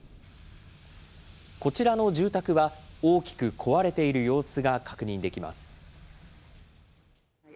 こちらの住宅は大きく壊れている様子が確認できます。